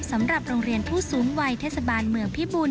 สำหรับโรงเรียนผู้สูงวัยเทศบาลเมืองพิบูร